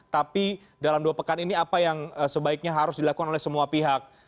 tapi dalam dua pekan ini apa yang sebaiknya harus dilakukan oleh semua pihak